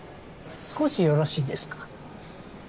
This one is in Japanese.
少しよろしいですか。